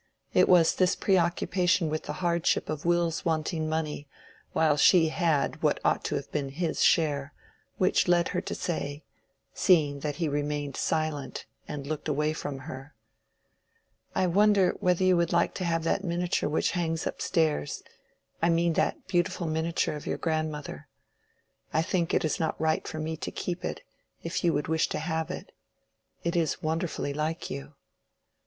It was this preoccupation with the hardship of Will's wanting money, while she had what ought to have been his share, which led her to say, seeing that he remained silent and looked away from her— "I wonder whether you would like to have that miniature which hangs up stairs—I mean that beautiful miniature of your grandmother. I think it is not right for me to keep it, if you would wish to have it. It is wonderfully like you."